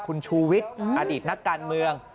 คุณชูวิทย์อดีตนักการเมือง